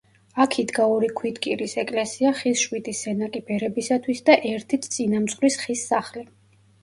აქ იდგა ორი ქვიტკირის ეკლესია, ხის შვიდი სენაკი ბერებისათვის და ერთიც წინამძღვრის ხის სახლი.